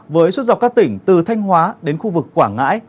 với suốt dọc các tỉnh từ thanh hóa đến khu vực quảng ngãi